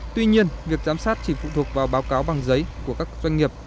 tuy nhiên việc giám sát chỉ phụ thuộc vào báo cáo bằng giấy của các doanh nghiệp